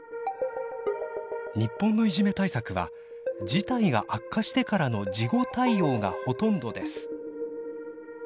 日本のいじめ対策は事態が悪化してからの事後対応がほとんどです。